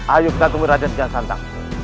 ayo kita temui raden kian santang